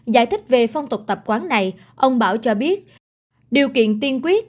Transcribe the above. giải thích về phong tục tập quán này ông bảo cho biết điều kiện tiên quyết